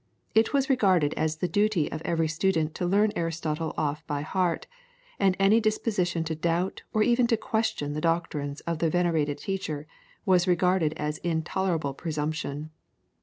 It was regarded as the duty of every student to learn Aristotle off by heart, and any disposition to doubt or even to question the doctrines of the venerated teacher was regarded as intolerable presumption.